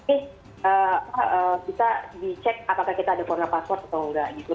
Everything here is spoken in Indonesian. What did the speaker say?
eh bisa dicek apakah kita ada corona password atau enggak gitu